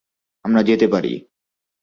আমরা যেতে পারি।